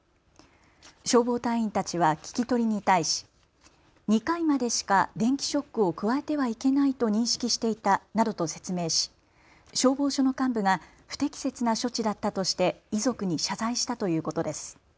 消防隊員たちは聞き取りに対し２回までしか電気ショックを加えてはいけないと認識していたなどと説明し消防署の幹部が不適切な処置だったとして遺族に謝罪したということです。